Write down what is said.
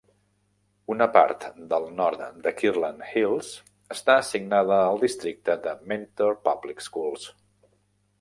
Una part del nord de Kirtland Hills està assignada al districte de Mentor Public Schools.